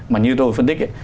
mà như tôi phân tích